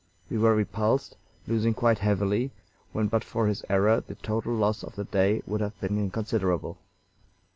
We were repulsed, losing quite heavily, when but for his error the total loss of the day would have been inconsiderable.